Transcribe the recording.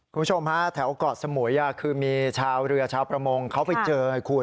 คุณผู้ชมฮะแถวเกาะสมุยคือมีชาวเรือชาวประมงเขาไปเจอไงคุณ